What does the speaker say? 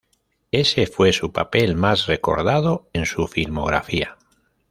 Ese fue su papel más recordado en su filmografía.